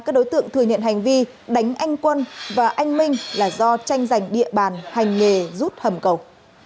các đối tượng thừa nhận hành vi đánh anh quân và anh minh là do tranh giành địa bàn hành nghề rút hầm cầu